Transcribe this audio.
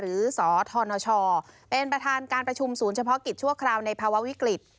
สธนชเป็นประธานการประชุมศูนย์เฉพาะกิจชั่วคราวในภาวะวิกฤต